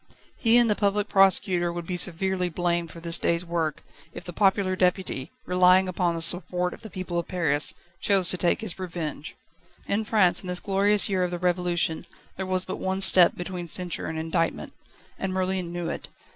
He and the Public Prosecutor would be severely blamed for this day's work, if the popular Deputy, relying upon the support of the people of Paris, chose to take his revenge. In France, in this glorious year of the Revolution, there was but one step between censure and indictment. And Merlin knew it.